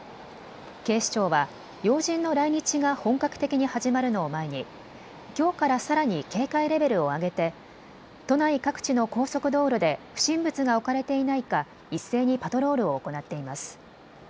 警視庁は要人の来日が本格的に始まるのを前にきょうからさらに警戒レベルを上げて都内各地の高速道路で不審物が置かれていないか一斉にパトロールを行っています。